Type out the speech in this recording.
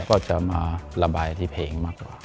ก็จะมาระบายที่เพลงมากกว่า